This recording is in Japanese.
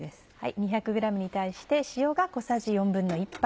２００ｇに対して塩が小さじ１／４杯。